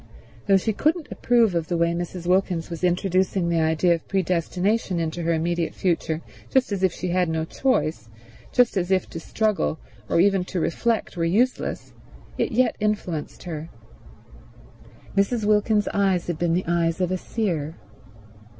Though she couldn't approve of the way Mrs. Wilkins was introducing the idea of predestination into her immediate future, just as if she had no choice, just as if to struggle, or even to reflect, were useless, it yet influenced her. Mrs. Wilkins's eyes had been the eyes of a seer.